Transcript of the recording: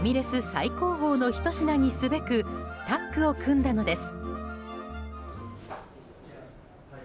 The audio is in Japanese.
最高峰のひと品にすべくタッグを組んだのです。